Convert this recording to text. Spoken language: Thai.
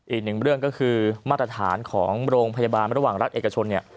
อีกหนึ่งเรื่องก็คือมาตรฐานของโรงพยาบาลระหว่างรัฐเอกชนเนี่ย